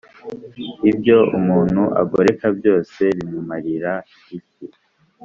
ibyo umuntu agoreka byose bimumarira iki